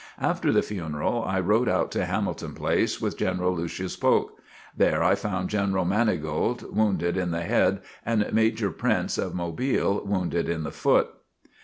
After the funeral, I rode out to Hamilton Place with General Lucius Polk. There I found General Manigault wounded in the head and Major Prince, of Mobile, wounded in the foot.